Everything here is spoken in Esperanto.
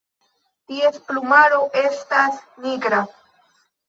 Ties plumaro estas nigra.